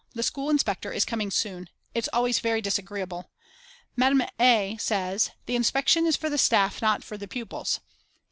The school inspector is coming soon. It's always very disagreeable. Mme A. says: The inspection is for the staff not for the pupils.